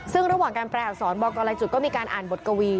ซึ่งระหว่างการแปลอักษรบอกกรรายจุดก็มีการอ่านบทกวี